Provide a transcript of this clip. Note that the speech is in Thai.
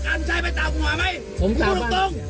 ไปดูตรงตรงพี่ดูปลั้ง